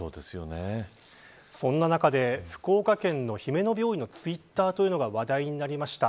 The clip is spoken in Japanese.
そんな中で福岡県の姫野病院のツイッターというのが話題になりました